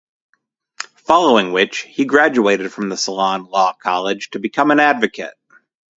Following which he graduated from the Ceylon Law College and became an advocate.